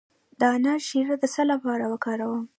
د انار شیره د څه لپاره وکاروم؟